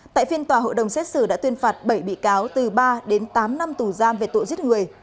tại phiên tòa hội đồng xét xử đã tuyên phạt bảy bị cáo từ ba đến tám năm tù giam về tội giết người